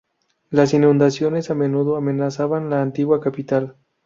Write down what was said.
Las inundaciones a menudo amenazaban la antigua capital.